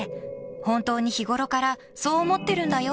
本当に日頃から、そう思ってるんだよ！